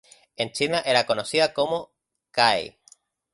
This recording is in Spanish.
En China era conocida como Ke.